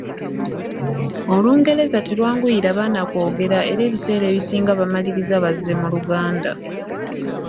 Olungereza terwanguyira baana kwogera era ebiseera ebisinga bamaliriza bazze mu Luganda.